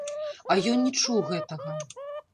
А ён не чуў гэтага.